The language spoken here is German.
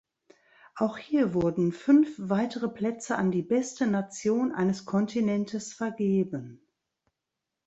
Auch hier wurden fünf weitere Plätze an die beste Nation eines Kontinentes vergeben.